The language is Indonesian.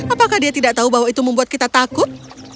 apakah dia tidak tahu bahwa itu membuat kita takut